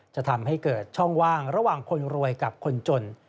จะทำให้เกิดช่องว่างระหว่างคนรวยกับคนจน